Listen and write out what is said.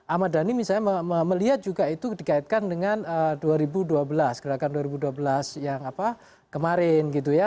ahmad dhani misalnya melihat juga itu dikaitkan dengan dua ribu dua belas gerakan dua ribu dua belas yang kemarin gitu ya